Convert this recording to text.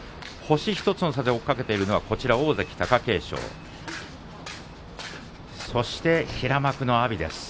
星１つの差で追いかけているのは大関貴景勝そして平幕の阿炎です。